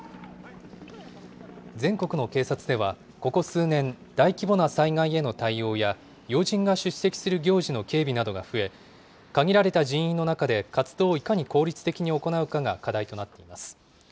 全国の警察では、ここ数年、大規模な災害への対応や要人が出席する行事の警備などが増え、限られた人員の中で活動をいかに効率的に行うかが課題となっています。